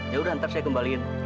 yaudah nanti saya kembalikan